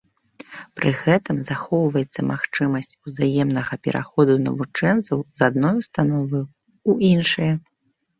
Пры гэтым захоўваецца магчымасць узаемнага пераходу навучэнцаў з адной установы ў іншае.